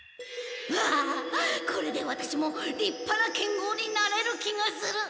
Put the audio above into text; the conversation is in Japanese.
ああこれでワタシもりっぱな剣豪になれる気がする。